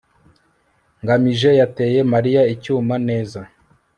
ngamije yateye mariya icyuma. neza